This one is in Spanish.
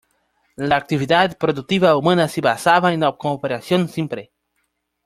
La actividad productiva humana se basaba en la cooperación simple.